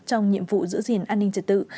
trong nhiệm vụ giữ gìn an ninh trật tự